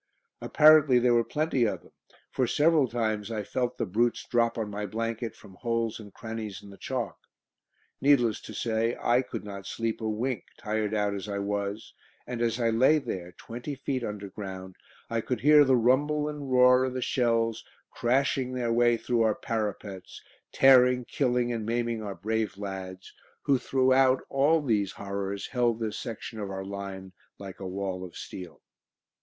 Apparently there were plenty of them, for several times I felt the brutes drop on my blanket from holes and crannies in the chalk. Needless to say, I could not sleep a wink, tired out as I was, and as I lay there, twenty feet underground, I could hear the rumble and roar of the shells crashing their way through our parapets, tearing, killing and maiming our brave lads, who throughout all these horrors held this section of our line like a wall of steel.